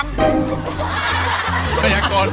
มายากก้น